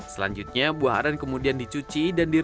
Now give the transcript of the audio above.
selanjutnya buah aren kemudian dicuci dan dire